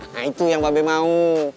nah itu yang mabek mau